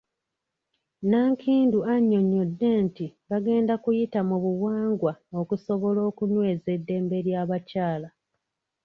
Nankindu annyonnyodde nti bagenda kuyita mu buwangwa okusobola okunyweza eddembe ly'abakyala.